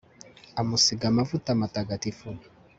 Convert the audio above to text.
amusiga amavuta matagatifu